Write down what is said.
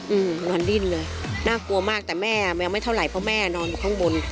อืมนอนดิ้นเลยน่ากลัวมากแต่แม่แมวไม่เท่าไหร่เพราะแม่นอนอยู่ข้างบน